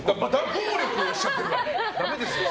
暴力しちゃってるからだめですよ。